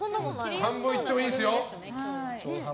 半分いってもいいですよ。